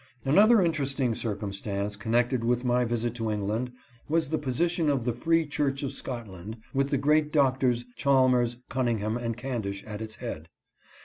Another interesting circumstance connected with my visit to England was the position of the Free Church of Scotland, with the great Doctors Chalmers, Cunningham, and Candish at its head.